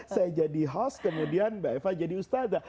saya jadi khas kemudian mbak eva jadi ustadah